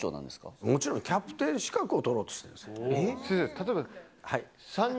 例えば。